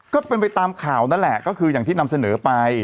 ก็เป็นไปตามข่าวนั่นแหละก็คืออย่างที่นำเสนอไป